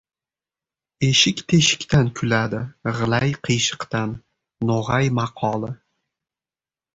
Eshik teshikdan kuladi, g‘ilay — qiyshiqdan. No‘g‘ay maqoli